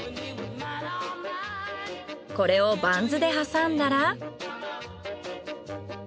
これをバンズで挟んだら。